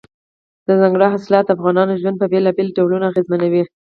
دځنګل حاصلات د افغانانو ژوند په بېلابېلو ډولونو اغېزمنوي.